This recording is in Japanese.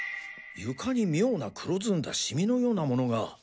床に妙な黒ずんだシミのような物が。